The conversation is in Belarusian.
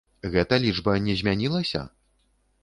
Гэта лічба не змянілася?